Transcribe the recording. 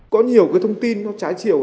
có nhiều cái thông tin nó trái chiều